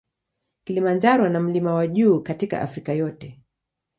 Kilimanjaro na mlima wa juu katika Afrika yote.